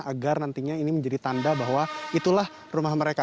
agar nantinya ini menjadi tanda bahwa itulah rumah mereka